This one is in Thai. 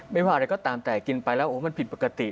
ไม่ว่าอะไรก็ตามแต่กินไปแล้วโอ้มันผิดปกติ